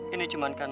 ini cuman karena